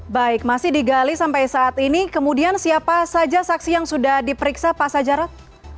baik masih digali sampai saat ini kemudian siapa saja saksi yang sudah diperiksa pak sajarok